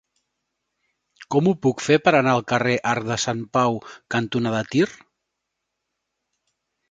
Com ho puc fer per anar al carrer Arc de Sant Pau cantonada Tir?